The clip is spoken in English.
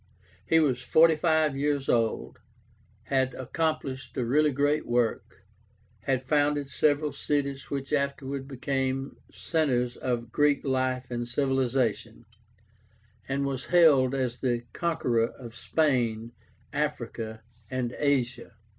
He was forty five years old, had accomplished a really great work, had founded several cities which afterwards became centres of Greek life and civilization, and was hailed as the conqueror of Spain, Africa, and Asia.